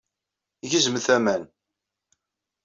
Gezmet aman.